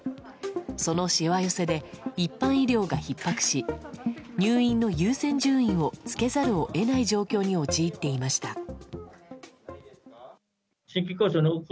そのしわ寄せで一般医療がひっ迫し入院の優先順位をつけざるを得ない状況に陥っていました。